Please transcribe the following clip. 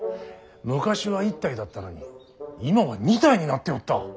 昔は１体だったのに今は２体になっておった。